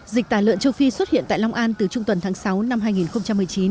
dịch tả lợn châu phi xuất hiện tại long an từ trung tuần tháng sáu năm hai nghìn một mươi chín